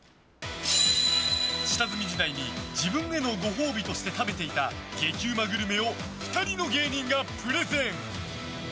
下積み時代に自分へのご褒美として食べていた激うまグルメを２人の芸人がプレゼン。